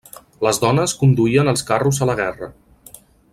Les dones conduïen els carros a la guerra.